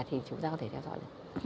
thì chúng ta có thể theo dõi